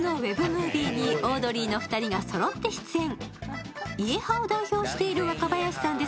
ムービーにオードリーの２人がそろって出演。